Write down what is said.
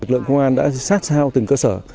lực lượng công an đã sát sao từng cơ sở